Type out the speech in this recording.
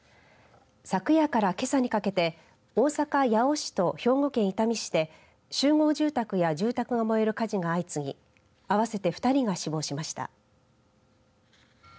昨夜からけさにかけて大阪、八尾市と兵庫県伊丹市で集合住宅や住宅が燃える火事が相次ぎ合わせて２人が死亡しました。